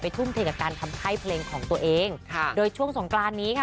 ทุ่มเทกับการทำค่ายเพลงของตัวเองค่ะโดยช่วงสงกรานนี้ค่ะ